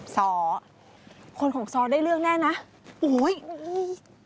สอคนของสอได้เรื่องแน่น่ะโอ๊ยนี่